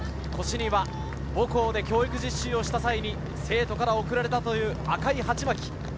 腰には母校で教育実習をした際に生徒から送られた赤いハチマキ。